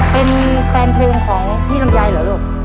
เป็นแฟนเพลงของพี่ลำไยเหรอลูก